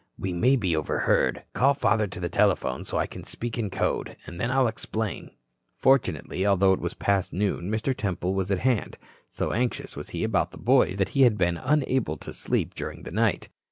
"We may be overheard. Call father to the telephone, so I can speak in code. Then I'll explain." Fortunately, although it was past noon, Mr. Temple was at hand. So anxious was he about the boys that he had been unable to sleep during the night.